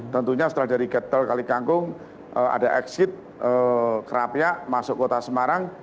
tentunya setelah dari tol kalikangkung ada exit kerapia masuk kota semarang